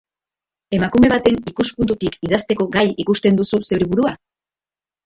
Emakume baten ikuspuntutik idazteko gai ikusten duzu zeure burua?